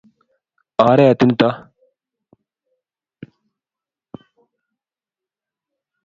oret nito